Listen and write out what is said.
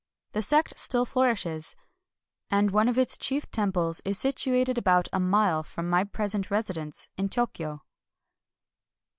The sect still flourishes ; and one of its chief temples is situated about a mile from my present residence in Tokyo.